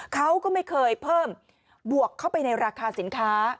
เขาก็ไม่เคยเพิ่มบวกเข้าไปในราคาสินค้า